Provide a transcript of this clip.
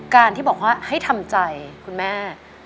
การที่บอกว่าให้ทำใจคุณแม่